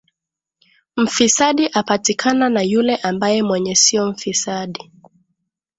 mfisadi apatikana na yule ambaye mwenye sio mfisadi